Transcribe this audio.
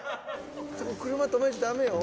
そこ車止めちゃダメよ。